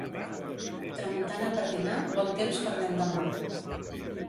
Tramuntana per dinar, bon temps per l'endemà.